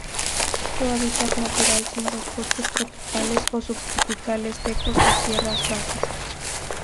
Su hábitat natural son los bosques tropicales o subtropicales secos de tierras bajas.